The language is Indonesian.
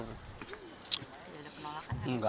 tidak ada penolakan